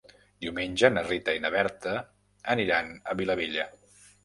Diumenge na Rita i na Berta aniran a Vilabella.